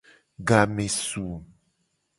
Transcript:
Game su.